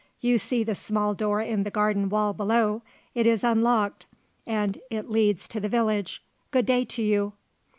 You see the small door in the garden wall below; it is unlocked and it leads to the village. Good day to you."